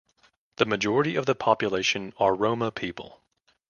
The majority of the population are Roma people.